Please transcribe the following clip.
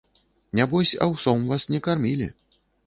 Нябось, аўсом вас не кармілі!